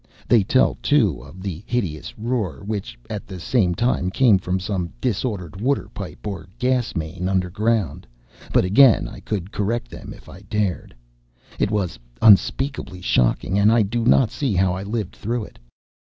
They tell, too, of the hideous roar which at the same time came from some disordered water pipe or gas main underground but again I could correct them if I dared. It was unspeakably shocking, and I do not see how I lived through it.